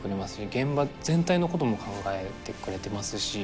現場全体のことも考えてくれてますし。